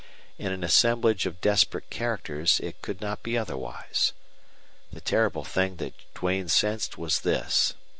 In an assemblage of desperate characters it could not be otherwise. The terrible thing that Duane sensed was this.